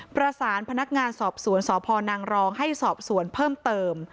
พนักงานสอบสวนสพนางรองให้สอบสวนเพิ่มเติม